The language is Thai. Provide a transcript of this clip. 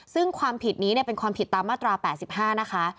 ซึ่งความผิดนี้เป็นความผิดตามมาตรา๘๕นะคะ